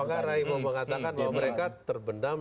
apakah rai mau mengatakan bahwa mereka terbendam